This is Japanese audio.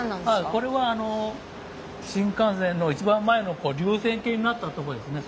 これは新幹線のいちばん前の流線形になったとこですね。